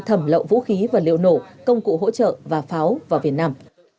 thẩm lậu vũ khí vật liệu nổ công cụ hỗ trợ và pháo vào việt nam